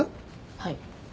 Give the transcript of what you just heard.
はい。